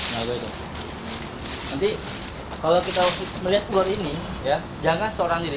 nanti kalau kita melihat ular ini jangan seorang diri